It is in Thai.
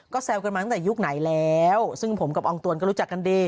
แซวกันมาตั้งแต่ยุคไหนแล้วซึ่งผมกับอองตวนก็รู้จักกันดี